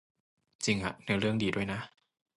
จริงฮะ เนื้อเรื่องดีด้วยนะ